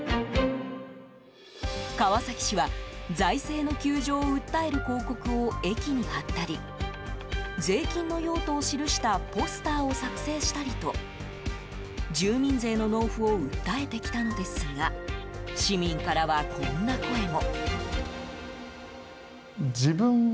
川崎市は、財政の窮状を訴える広告を駅に貼ったり税金の用途を記したポスターを作成したりと住民税の納付を訴えてきたのですが市民からは、こんな声も。